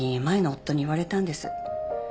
前の夫に言われたんです。